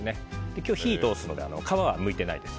今日火を通すので皮はむいてないです。